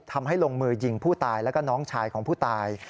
ทำให้ลงมือยิงผู้ตายแล้วก็น้องชายของผู้ตาย